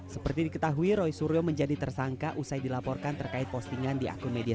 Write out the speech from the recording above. seperti diketahui roy suryo menjadi tersangka usai dilaporkan terkait postingan di akun media